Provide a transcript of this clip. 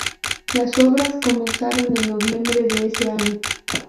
Las obras comenzaron en noviembre de ese año.